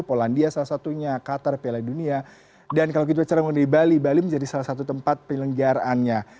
polandia salah satunya qatar piala dunia dan kalau kita bicara mengenai bali bali menjadi salah satu tempat penyelenggaraannya